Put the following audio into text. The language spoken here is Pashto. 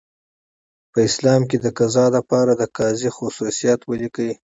په اسلام کي دقضاء د پاره دقاضي خصوصیات ولیکئ؟